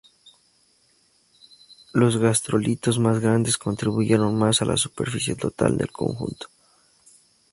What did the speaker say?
Los gastrolitos más grandes contribuyeron más a la superficie total del conjunto.